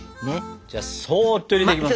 じゃあそっと入れていきます。